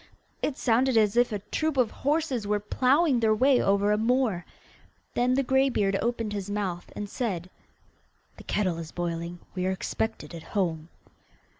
It sounded as if a troop of horses were ploughing their way over a moor. Then the greybeard opened his mouth, and said: 'The kettle is boiling; we are expected at home.